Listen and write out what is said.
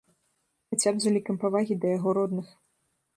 Хаця б з улікам павагі да яго родных.